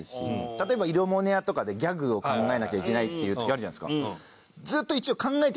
例えば『イロモネア』とかでギャグを考えなきゃいけないっていう時あるじゃないですか。